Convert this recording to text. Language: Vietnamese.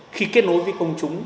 khi kết nối với công chúng